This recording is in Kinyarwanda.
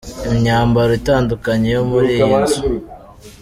Imyambaro itandukanye yo muri iyi nzu.